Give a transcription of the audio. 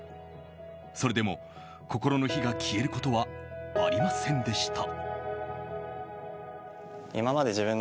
それでも心の火が消えることはありませんでした。